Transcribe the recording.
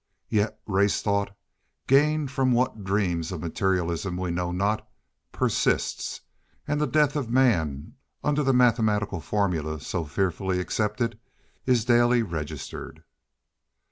Yet the race thought, gained from what dream of materialism we know not, persists, and the death of man under the mathematical formula so fearfully accepted is daily registered.